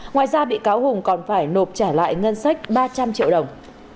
ngoài ra bị cáo hùng còn phải nộp trả lại ngân sách ba trăm linh triệu đồng